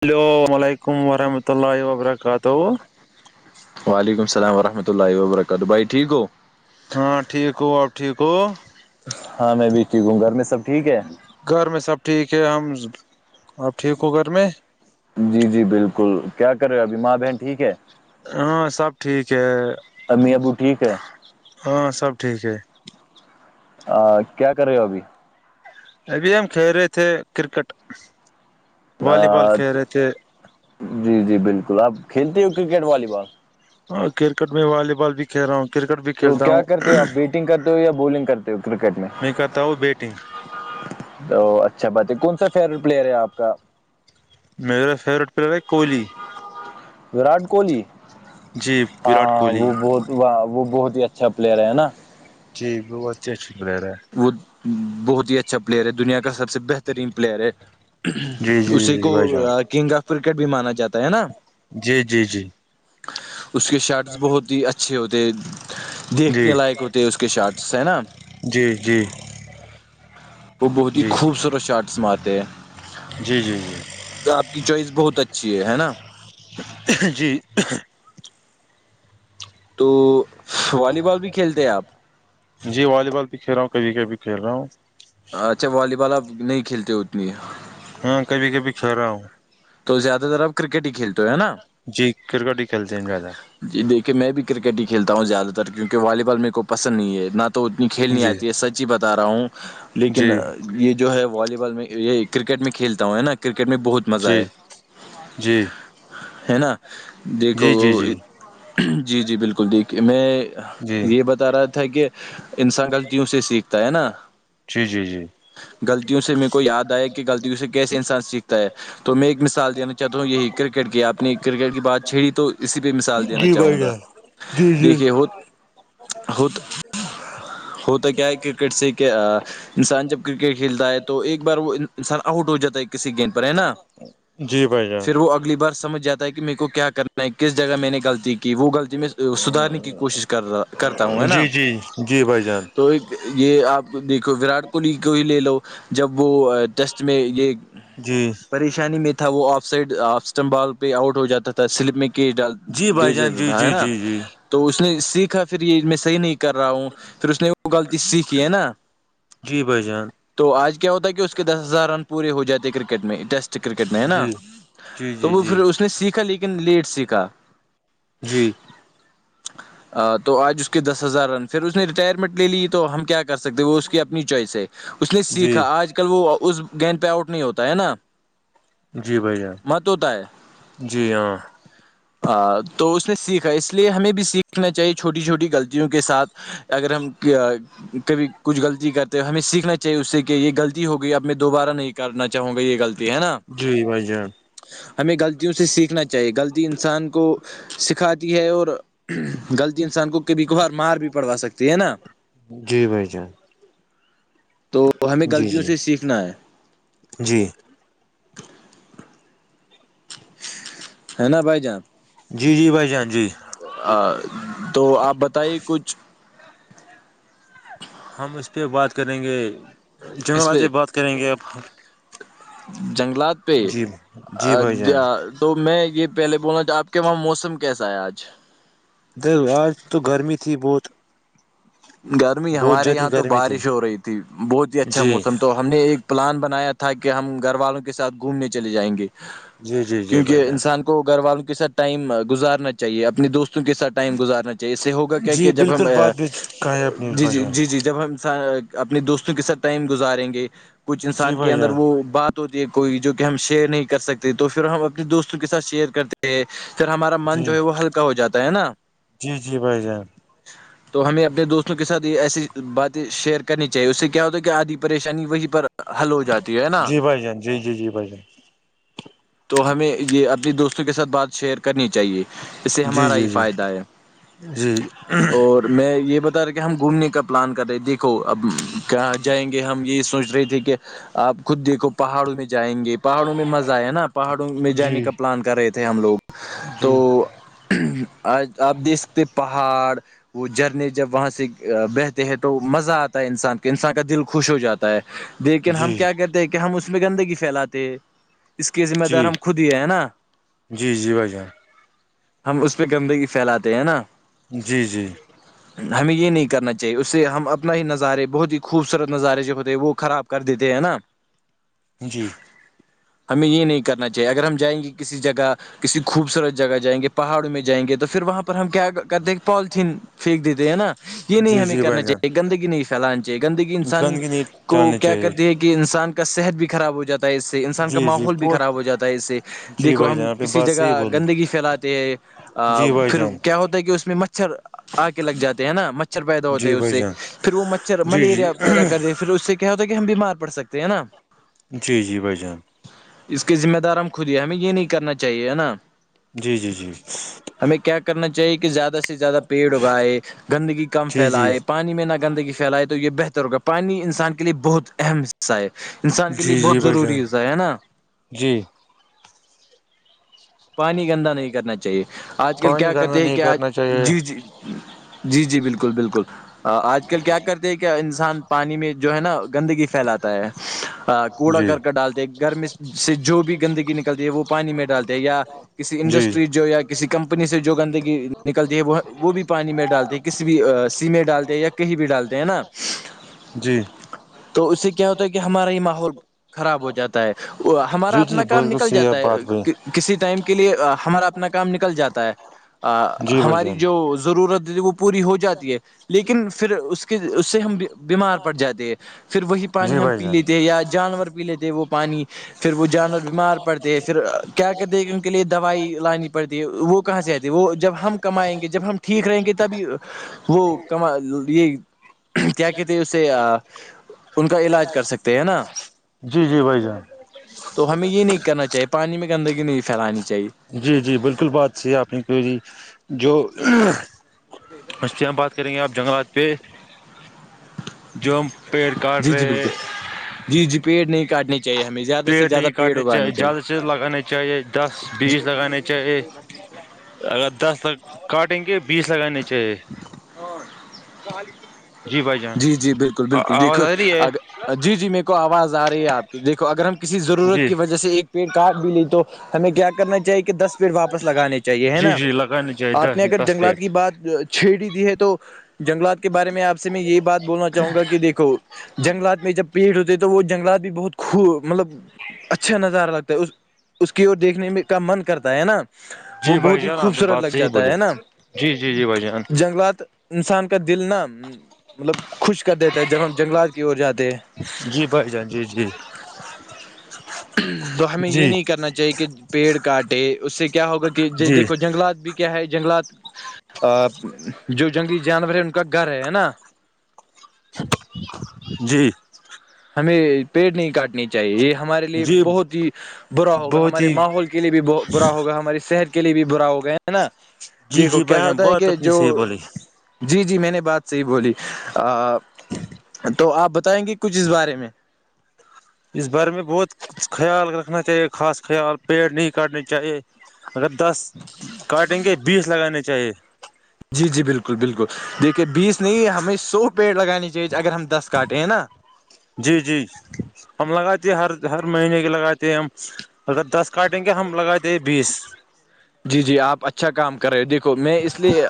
hello وعلیکم ورحمۃ اللہ وبرکاتہ وعلیکم السلام ورحمۃہ اللہ وبرکاتہ بھائی ٹھیک ہو ہاں ٹھیک ہو آپ ٹھیک ہو ہاں میں بھی ٹھیک ہوں گھر میں سب ٹھیک ہے گھر میں سب ٹھیک ہے ہم اب ٹھیک ہو گھر میں جی جی بالکل کیا کر رہے ہو ابھی ماں بہن ٹھیک ہے ہاں سب ٹھیک ہے امی ابو ٹھیک ہے ہاں سب ٹھیک ہے کیا کر رہے ہو ابھی ابھی ہم کھیل رہے تھے کرکٹ والی بال کھیل رہے تھے جی جی بالکل آپ کھیلتے ہو کرکٹ والی بال اور کرکٹ میں والی بال بھی کھیل رہا ہوں کرکٹ بھی تو کھیلتا کیا ہوں کرتے ہو آپ بیٹنگ کرتے ہو یا بالنگ کرتے ہو کرکٹ میں کرتا ہوں بیٹنگ تو اچھا بات ہے کون سا فیوریٹ پلیئر ہے آپ کا میرا فیوریٹ پلیئر ہے کوہلی وراٹ کوہلی جی وراٹ ہاں کوہلی وہ ب وہ بہت ہی اچھا پلیئر ہے ہے نا جی بت اچھی اچھی بلر ہے وہ بہت ہی اچھا پلیئر ہے دنیا کا سب سے بہترین پلیئر ہے جی جی اسی کو جی بھائی جان کنگ آف کرکٹ بھی مانا جاتا ہے نا جی جی جی اس کے شارٹس بہت ہی اچھے ہوتے جی دیکھنے لائق ہوتے اس کے شارٹس ہے نا جی جی وہ بہت ہی خوبصورت شارٹس مارتے ہیں جی جی جی کی چوائ بہت اچھی ہے نا جی تو والی بال بھی کھیلتے ہیں آپ جی والی بال بھی کھیل رہا ہوں کب وکٹ بھی کھیل رہا ہوں اچھا والی بال اب نہیں کھیلتے اتنی ہاں کبھی کبھی کھہ رہا ہوں تو زیادہرپ کرکٹ ہی کھیلتے ہو ہے نا جی کرکٹ ہی کھیلتے ہیں زیادہ جی دیکھیے میں بھی کرکٹ ہی کھیلتا ہوں زیادہ تر کیونکہ والی بال میرے کو پسند نہیں ہے نہ تو اتنی کھیل نہیں جی آتی ہے سچ ہی بتا رہا ہوں لیکن جی یہ جو ہے والی بال میں یہ کرکٹ میں کھیلتا ہوں ہے نا کرکٹ میں بہت مزہ جی ہے جی ہے نا دیکھو جی جی جی جی جی بالکل دیک میں جی یہ بتا رہا تھا کہ انسان غلطیوں سے سیکھتا ہے نا جی جی جی غلطیوں سے میر کو یاد آئے کہ غلطیوں سے کیسے انسان سیکھتا ہے تو میں مثال دینا چاہتا ہوں یہی کرکٹ کی آپ نے کرکٹ کی بات چھیڑی تو اسی پہ مثال دینا جی چاہوں بھائی گا جان جی جی دیکھے ہوت ہوت ہوتا کیا ہے کرکٹ سے کہ انسان جب کرکٹ کھیلتا ہے تو ایک بار وہ انسان آؤٹ ہو جاتا ہے کسی گیند پر ہے نا جی بھائی جان الی بار سمجھاتا ہے کہ میرے کو کیا کرنا ہے کس جگہ میں نے غطی کی وہ غلط میں سدھارنے کی کوشش کر رہا کرتا ہوں ہے نا جی جی جی بھائی جان تو ایک یہ آپ دیکھو وراٹ کوہلی کو ہی لے لو جب وہ ٹیسٹ میں یہ جی پریشانی میں تھا وہ off side off stump ball پہ آؤٹ ہو جاتا تھا سلپ میں کیش ڈالتا جی بھائی جان دےجتا جی تھا ہے جی نا جی تو اس نے سیکھا پھر یہ میں صحیح نہیں کر رہا ہوں پھر اس نے وہ غلطی سیکھی ہے نا جی بھائی جان تو آج کیا ہوتا ہے کہ اس کے دس ہزار رن پورے ہو جاتے کرکٹ میں ٹیسٹ کرکٹ کر میں ہے نا جی جی تو جی وہ جی پھر اس نے سیکھا لیکن لیٹ سیکھا جی تو آج اس کے دس ہزار رن پھر اس نے ریٹائرمنٹ لے لی تو ہم کیا کر سکتے وہ اس کی اپنی چوائس ہے اس نے جی سیکھا آج کل وہ اس گیند پہ آؤٹ نہیں ہوتا ہے نا جی بھائی جان مت ہوتا جی ہاں ہ تو اس نے سیکھا ہے اس لیے ہمیں بھی سیکھنا چاہیے چھوٹی چھوٹی غلطیوں کے ساتھ اگر ہم کبھی کچھ غلطی کرتے ہو ہمیں سیکھنا چاہیے اس سے کہ یہ غلطی ہو گئی اب میں دوبارہ نہیں کرنا چاہوں گا یہ غطی ہے نا جی بھائی جان ہمیں غلطیوں سے سیکھنا چاہیے غلطی انسان کو سکھاتی ہے اور غلطی انسان کو کبھی کبھار مار بھی پڑھوا سکتی ہے نا جی بھائی جان تو ہمیں جی غلطیوں جی سے سیکھنا ہے جی ہے نا بھائی جان جی جی بھائی جان جی ا تو آپ بتائیے کچھ ہم اس پہ بات کریں گے اس پہ جنگلاتے بات کریں گے اب جنگلات پہ جی جی بھائی جان تو میں یہ پہلے بولنا آپ کے وہاں موسم کیسا ہے آج دھر آج تو گرمی تھی بہت گرمی بہت ہمارے زیادہ یہاں تو گرمی تھی بارش ہو رہی تھی بہت ہی اچھا جی موسم تو ہم نے ایک پلان بنایا تھا کہ ہم گھر والوں کے ساتھ گھومنے چلے جائیں گے جی جی جی بھائی کیونکہ جان انسان کو گھر والوں کے ساتھ ٹائم گزارنا چاہیے اپنے دوستوں کے ساتھ ٹائم گزارنا چاہیے اس سے ہوگا کیا جی کہ جب ہم بالکل بات بھی کہیں اپنی جی جی بھائی جی جان جی جی جب ہم انان اپنے دوستوں کے ساتھ ٹائم گزاریں گے کچھ جی انسان کے بھائی اندر جان وہ بات ہوتی ہے کوئی جو کہ ہم شیئر نہیں کر سکتے تو پھر ہم اپنے دوستوں کے سھ شیئر کرتے پھر ہمارا من جی جو ہے وہ ہلکا ہو جاتا ہے نا جی جی بھائی جان تو ہمیں دوستوں کے ساتھ یہ ایسی باتیں شیئر کرنی چاہیے اس سے کیا ہوتا ہے کہ آدھی پریشانی وہیں پر حل ہو جاتی ہے نا جی بائی جان جی جی جی بائی جان تو ہمیں یہ اپنی دوستوں کے ساتھ بات شیئر کرنی چاہیے اس سے جی ہمارا ہی جی جی فائدہ ہے جی اور میں یہ بتا کے ہم گھومنے کا پلان کر رہے دیکھو اب کہاں جائیں گے ہم یہی سوچ رہے تھے کہ آپ خود دیکھو پہاڑوں میں جائیں گے پہاڑوں میں مزہ آیا نا پہاڑوں میں جانے جی کا پلان کر رہے تھے ہم لوگ جی تو آ آپ دیکھ سکتے پہاڑ وہ جرنی جب وہاں سے بہتے ہیں تو مزہ آتا ہے انسان کے انسان کا دل خوش ہو جاتا ہے لیکن ہم جی کیا کہتے ہیں کہ ہم اس میں گندگی پھیلاتے ہیں اس کی ذمہ دار جی ہم خود ہی ہے نا جی جی بھائی جان ہم اس پہ گندگی پھیلاتے ہیں نا جی جی ہمیں یہ نہیں کرنا چاہیے اس سے ہم اپنا ہی نظارے بہت ہی خوبصورت نظارے جو ہوتے ہیں وہ خراب کر دیتے ہے نا جی ہمیں یہ نہیں کرنا چاہیے اگر ہم جائیں گے کسی جگہ کسی خوبصورت جگہ جائیں گے پہاڑوں میں جائیں گے تو پھر وہاں پر ہم کیا کرتے ہیں پالیتھیین پھینک دیتے ہیں نا یہ نہیں جی ہمیں جی بھائی کرنا جان چاہیے گندگی نہیں پھیلانی چاہیے گندگی انسان گندگی نہیں کو ڈالنی کیا چاہیے کرتی ہے کہ انسان کا صحت بھی خراب ہو جاتا ہے اس انسان کا جی جی ماحول بھی بہت خراب ہو جاتا ہے اس سے جی دیکھو بھائی ہم جان آپ نے کسی بات صحیح جگہ بولی گندگی پھیلاتے ہیں آ جی بھائی پھر جان کیا ہوتا ہے کہ اس میں مچ مچھر آ کے لگ جاتے ہیں نا مچھر پیدا ہوتے جی اس بھائی سے جان پھر وہ مچھر جی جی ملیریا پیدا کرتے پھر اس سے کیا ہوتا ہے کہ ہم بیمار پڑ سکتے ہیں ہے نا جی جی بھ جان اس کے ذمہ دار ہم خود ہی ہمیں یہ نہیں کرنا چاہیے ہے نا جی جی جی ہمیں کیا کرنا چاہیے کہ زیادہ سے زیادہ پیڑ اگائے گندگی کم جی جی پھیلائے پانی میں نہ گندگی پھیلائے تو یہ بہتر ہوگا پانی انسان کے لیے بہت اہم حصہ ہے انسان کے لیے جی جی بہت بھائی ضری جان ہے نا جی پانی گندا نہیں کرنا چاہیے آج کل کیا پانی گندا کرتے ہیں نہیں کہ کرنا چاہیے جی جی جی جی بالکل بالکل آج کل کیا کرتے ہیں کیا انسان پانی میں جو ہے نا گندگی پھیلاتا ہے کوڑا جی کرک ڈالتے گرمی سے جو بھی گندگی نکلتی ہے وہ پانی میں ڈالتے ہیں یا کسی جی انڈسٹری جو یا کسی کمپنی سے جو گندگی نکلتی ہے وہ وہ بھی پانی میں ڈالتی ہے کسی بھی سی میں ڈالتے ہیں یا کہیں بھی ڈالتے ہیں نا جی تو اس سے کیا ہوتا ہے کہ ہمارا یہ ماحول خراب ہو جاتا ہے وہ ہمارا جی اپنا جی کام بالکل نکل صحیح جاتا آپ بات بھائی ہے کسی ٹائم لیے ہمارا اپنا کام نکل جاتا ہے جی بھائی ہماری جان جو ضرورت ہے وہ پوری ہو جاتی ہے لیکن پھر اس کے اس سے ہم بیمار پڑ جاتے ہیں پھر وہی جی پانی ہم بھائی پی جان لیتے ہیں یا جانور پی لیتے وہ پانی پھر وہ جانور بیمار پڑتے ہیں پھر کیا کرتے کیونکہ لیے دوائی لانی پڑتی ہے وہ کہاں سے آتی ہے وہ جب ہم کمائیں گے جب ہم ٹھیک رہیں گے تب وہ کم یہ کیا کہتے ہیں اسے ان کا علاج کر سکتے ہیں نا جی جی بھائی جان تو ہمیں یہ نہیں کرنا چاہیے پانی میں گندگی نہیں پھیلانی چاہیے جی جی بالکل بات سہی آپ نے کہی جو [inaudible] کریں گے آپ جنگلات پہ جو ہم پیڑ کاٹ جی جی رہے بالکل جی جی پیڑ نہیں کاٹنے کی پیٹ نہیں کاٹنے چاہیے زیادہ سے زیادہ لگانے چاہیے دس بیس لگانے چاہیے اگر دس تک کاٹیں گے بیس لگانی چاہیے جی بھائی جان جی جی بالکل بالکل دیکھو آواز آ رہی ہے اگر جی جی میرے کو آواز آ رہی ہے آپ کی دیکھو اگر ہم کسی ضرورت جی کی وجہ سے ایک پیڑ کاٹ بھی لی تو ہمیں کیا کرنا چاہی کہ دس پیڑ واپس لگانے چاہے چاہیے ہے جی نا جی لگانی چاہیے آپ دس نے اگر دس جنگلات پیٹ کی بات چھیڑی دی ہے تو جنگلات کے بارے میں آپ سے میں یہی بات بولنا چاہوں گا کہ دیکھو جنگلات میں جب پیڑ ہوتے تو وہ جنگلات بھی بہت خو مطلب اچھا نظارہ لگتا ہے اس کی اور دیکھنے میں کا من کرتا ہے نا وہ جی بھائی بہت ہی جان آپ نے خوبصورت بات لگ صحیح جاتا بولی ہے نا جی جی جی بھائی جان جنگلات انسان کا دل نا مطلب خوش کر دیتا ہے جب ہم جنگلات کی اور جاتے ہیں جی بھائی جان جی جی تو ہمیں یہ جی نہیں کرنا چاہیے کہ پیڑ کاٹے اس سے کیا ہوگا کہ جی دیکھو جنگلات بھی کیا ہے جنگلات جو جنگلی جانور ہے ان کا گھر ہے ہے نا جی ہمیں پیڑ نہیں کاٹنے چاہیے چاہیے یہ ہمارے لیے جی بہت ہی برا ہوگا بہت ہمارے ہی ماحول کے لیے بھی بت برا ہوگا ہمارے شہر کے لیے بھی برا ہو گیا ہے نا جی دیکھو جی بھائی کیا جان ہوتا ہے بہت کہ اپنی جو صحیح بولی جی جی میں نے بات صحیح بولی تو آپ بتائیں گے کچھ اس بارے میں اس بارے میں بہت خیال رکھنا چاہیے خاص خیال پیڑ نہیں کاٹنے چاہیے اگر دس کاٹیں گے بیس لگانے چاہیے جی جی بالکل بالکل دیکھیے بیس نہیں ہمیں سو پیڑ لگانے چاہیے اگر ہم دس کاٹے ہیں نا جی جی ہم لگاتے ہیں ہر ہر مہینے کے لگاتے ہیں ہم اگر دس کاٹیں گے ہم لگاتے ہیں بیس جی جی آپ اچھا کام کر رہے دیکھو میں اس لیے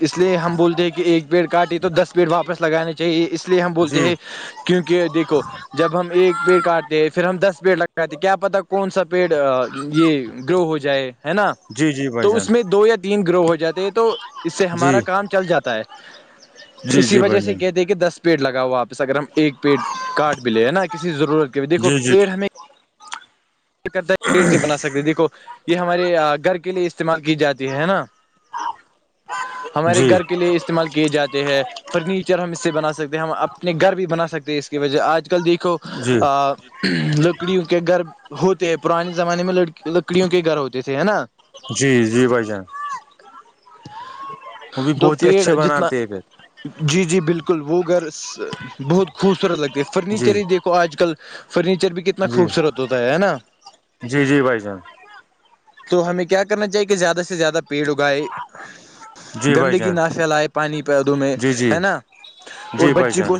اس لیے ہم بولتے ہیں کہ ایک پیڑ کاٹے تو دس پیڑ واپس لگانا چاہیے اس لیے ہم بولتے جی ہیں کیونکہ دیکھو جب ہم ایک پیڑ کاٹتے پھر ہم دس پیڑ لگاتے کیا پتا کون سا پیڑ یہ گرو ہو جائے ہے نا جی جی بھائی تو جان اس میں دو یا تین گرو ہو جاتے ہیں تو اس سے جی ہمارا کام چل جاتا ہے جی اسی جی وجہ بھائی سے جان کہتے ہیں کہ دس پیڑ لگاؤا واپس اگر ہم ایک پیڑ کاٹ بھی لے ہے نا کسی ضرورت کے لئے دیکھو جی جی پیڑ ہمیں کرتا پیڑ سے بنا سکتے دیکھو یہ ہمارے گھر کے لیے استعمال کی جاتی ہے نا ہمارے جی گھر کے لیے اس استعمال کیے جاتے ہیں فرنیچر ہم اس سے بنا سکتے ہیں ہم اپنے گھر بھی بنا سکتے ہیں اس کی وجہ آج کل دیکھیے جی کو لکڑیوں کے گھر ہوتے ہیں پرانے زمانے میں لکڑیوں کے گھر ہوتے تھے ہے نا جی جی بھائی جان وہ بھی دو بہت ہی پیڑ اچھے جتنا بناتے ہیں پھر جی جی بالکل وہ گھر بہت خوبصورت لگتے جی فرنیچر ہی دیک آج کل فرنیچر بھی کتنا جی خوبصورت ہوتا ہے ہے نا جی جی بھائی جان تو ہمیں کیا کرنا چاہیے کہ زیادہ سے زیادہ پیڑ اگائے جی بھائی گندگی جان نہ پھیلائے پانی پودوں میں جی جی ہے نا اور جی بھائی بچی کو جان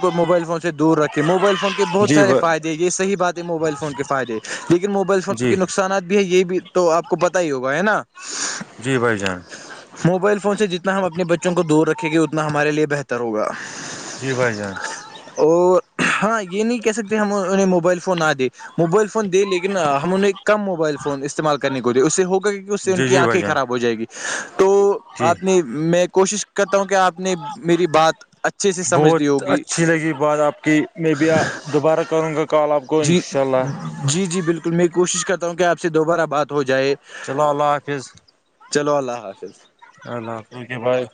کو موبائل فون سے دور رکھے موبائل فون کے جی بت سارے فائدے یہ صح بات ہے موبائل فون کے فائدے لیکن موبائل فون جی کے نقصانات بھی ہے یہ بھی تو آپ کو پتا ہی ہوگا ہے نا جی بھائی جان موبائل فون سے جتنا ہم اپنے بچوں کو دور رکھیں گے اتنا ہمارے لیے بہتر ہوگا جی بھائی جان ا ہاں یہ نہیں کہہ سکتے ہم انہیں موبائل فون آ دے موبائل فون دے لیکن ہم انوں نے کم موبائل فون استعمال کرنے کو دیا اس سے ہوگا کہ اس سے ان جی کی جی بھائی آنکھیں جان خراب ہو جائے گی تو جی آپ نے میں کوشش کرتا ہوں کہ آپ نے میری بات اچ بہت اچھی لگی بات آپ کی میں بھی دوبارہ کروں گا کال آپ کو جی انشاء اللہ جی جی بالکل میں کوشش کرتا ہوں کہ آپ سے دوبارہ بات ہو جائے چلو اللہ حافظ چلو اللہ حافظ ہ ن تو کہ بھائی